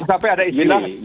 bercapai ada istilah